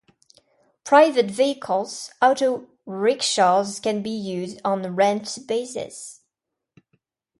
Private vehicles, auto rickshaws can be used on rent basis.